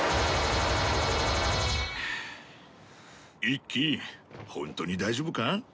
一輝ホントに大丈夫か？